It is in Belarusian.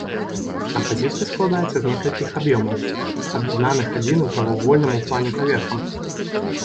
Кампазіцыя складаецца з некалькіх аб'ёмаў, аб'яднаных адзіным прамавугольным у плане паверхам.